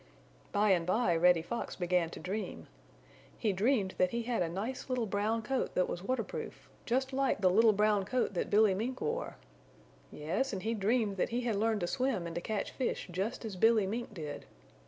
By and by Reddy Fox began to dream. He dreamed that he had a nice little brown coat that was waterproof, just like the little brown coat that Billy Mink wore. Yes, and he dreamed that he had learned to swim and to catch fish just as Billy Mink did.